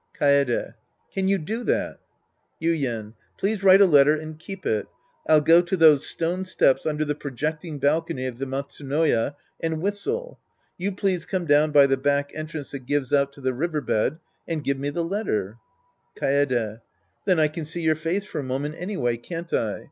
Kaede. Can you do that ? Yuien. Please write a letter and keep it. I'll go to those stone steps under the projecting balcony of the Matsunoya and whistle ; you please come down by the back entrance that gives out to the river bed and give me the letteij|« Kaede. Then I can see your face for a moment anyway, can't I